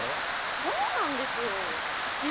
そうなんですよー。